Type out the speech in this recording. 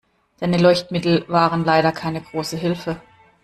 Deine Leuchtmittel waren leider keine große Hilfe.